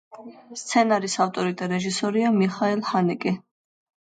სცენარის ავტორი და რეჟისორია მიხაელ ჰანეკე.